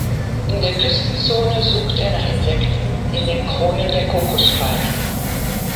In der Küstenzone sucht er nach Insekten in den Kronen der Kokospalmen.